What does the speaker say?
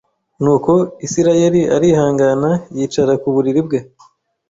Nuko Isirayeli arihangana yicara ku buriri bwe